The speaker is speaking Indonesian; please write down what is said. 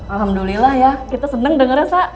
alhamdulillah ya kita seneng dengernya sak